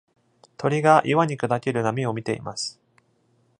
鳥が岩に砕ける波を見ています